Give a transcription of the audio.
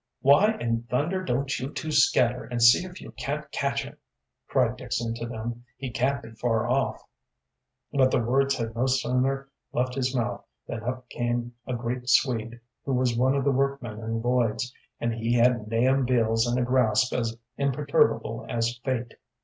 "Why in thunder don't you two scatter, and see if you can't catch him," cried Dixon to them. "He can't be far off." But the words had no sooner left his mouth than up came a great Swede who was one of the workmen in Lloyd's, and he had Nahum Beals in a grasp as imperturbable as fate.